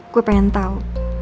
gue pengen tahu